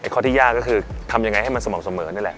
ข้อที่ยากก็คือทำยังไงให้มันสม่ำเสมอนี่แหละ